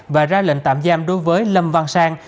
và ra lệnh tạm giam đối với lâm văn sang